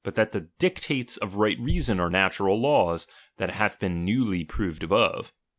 17 of right reason are natural laws, that hath been ( oewly proved above.